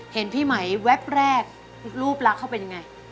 ๒๕๒๕เห็นพี่ใหม่แวบแรกรูปรักเขาเป็นไง